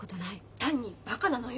単にバカなのよ。